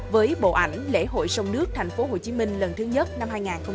với bộ ảnh lễ hội sông nước tp hcm lần thứ nhất năm hai nghìn hai mươi